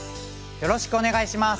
よろしくお願いします！